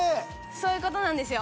そういう事なんですよ。